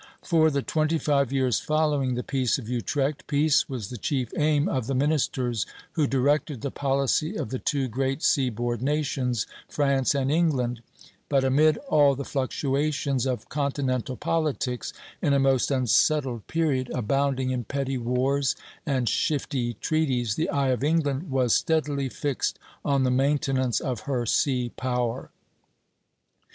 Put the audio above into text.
For the twenty five years following the Peace of Utrecht, peace was the chief aim of the ministers who directed the policy of the two great seaboard nations, France and England; but amid all the fluctuations of continental politics in a most unsettled period, abounding in petty wars and shifty treaties, the eye of England was steadily fixed on the maintenance of her sea power.